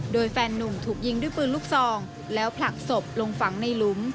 โดยแฟนนุ่มถูกยิงด้วยปืนลูกซองแล้วผลักศพลงฝังในหลุม